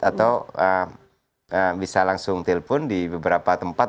atau bisa langsung telpon di beberapa tempat